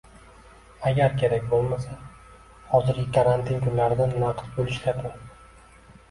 agar kerak bo'lmasa, hozirgi karantin kunlarida naqd pul ishlatmang